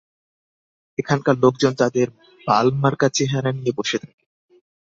এখানকার লোকজন তাদের বালমার্কা চেহারা নিয়ে বসে থাকে।